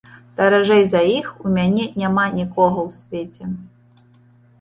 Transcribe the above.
Даражэй за іх у мяне няма нікога ў свеце.